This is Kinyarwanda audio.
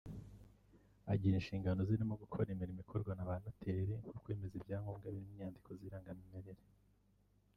Agira inshingano zirimo gukora imirimo ikorwa na ba noteri nko kwemeza ibyangombwa birimo inyandiko z’irangamimerere